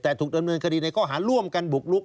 แต่ถูกดำเนินคดีในข้อหาร่วมกันบุกลุก